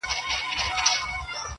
• د دې لپاره چي ډېوه به یې راځي کلي ته.